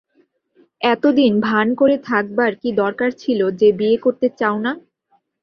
এতদিন ভান করে থাকবার কী দরকার ছিল যে বিয়ে করতে চাও না?